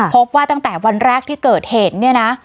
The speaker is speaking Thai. พบว่าตั้งแต่วันแรกที่เกิดเหตุเนี่ยนะ